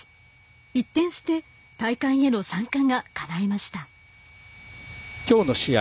一転して大会への参加がかないました。